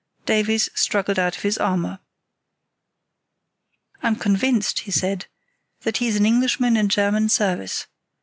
Davies struggled out of his armour. "I'm convinced," he said, "that he's an Englishman in German service.